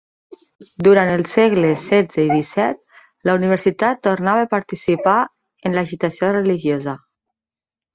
Durant els segles XVI i XVII, la universitat tornava a participar en l'agitació religiosa.